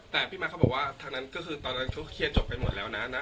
แต่พี่มาร์คเขาบอกว่าทางนั้นก็คือตอนนั้นเขาเคลียร์จบไปหมดแล้วนะ